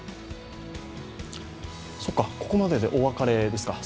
ここまででお別れですか。